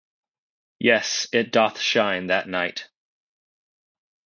Yes, it doth shine that night.